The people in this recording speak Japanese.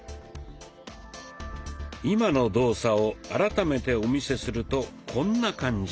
今の動作を改めてお見せするとこんな感じ。